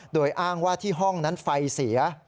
โดยอ้างว่าที่ห้องนั้นไฟเสีย